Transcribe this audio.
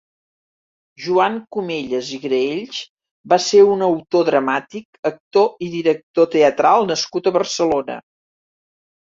Joan Cumellas i Graells va ser un autor dramàtic, actor i director teatral nascut a Barcelona.